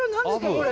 これ。